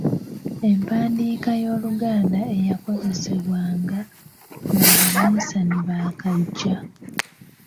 Empandiika y'Oluganda eyakozesebwanga nga Abaminsani baakajja.